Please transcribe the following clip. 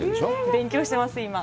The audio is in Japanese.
勉強してます、今。